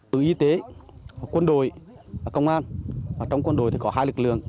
từ y tế quân đội công an trong quân đội thì có hai lực lượng